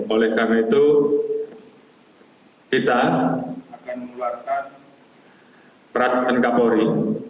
oleh karena itu kita akan mengeluarkan peraturan kapolri